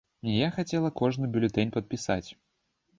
Я хацела кожны бюлетэнь падпісаць.